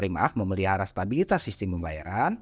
pemerintah memelihara stabilitas sistem pembayaran